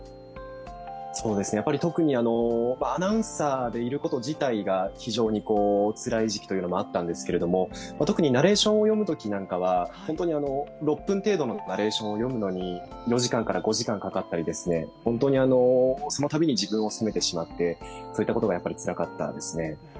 特にアナウンサーでいること自体が非常につらい時期というのがあったんですけども特にナレーションを読むときなんかは本当に６分程度のナレーションを読むのに４時間から５時間かかったり、そのたびに自分を責めてしまって、そういうところがつらかったですね。